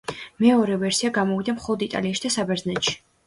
მეორე ვერსია გამოვიდა მხოლოდ იტალიაში და საბერძნეთში.